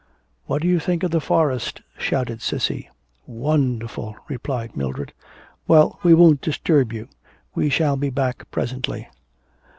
'What do you think of the forest?' shouted Cissy. 'Wonderful,' replied Mildred. 'Well, we won't disturb you... we shall be back presently.'